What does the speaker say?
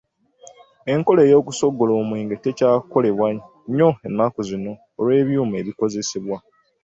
Enkola ey'okusogola omwenge tekyakolebwa nnyo ennaku zino olw'ebyuma ebikozesebwa.